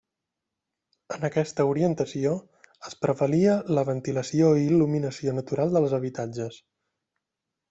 En aquesta orientació es prevalia la ventilació i il·luminació natural dels habitatges.